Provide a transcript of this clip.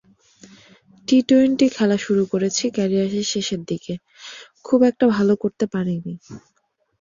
T twenty খেলা শুরু করেছি ক্যারিয়ারের শেষের দিকে, খুব একটা ভালো করতে পারিনি।